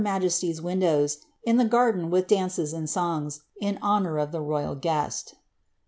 naje=t>'s windows, in the garden "iili dances and songs, m honour of the rojal guest.